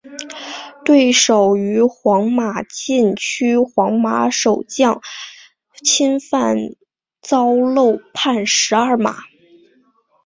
对手于皇马禁区皇马守将侵犯遭漏判十二码。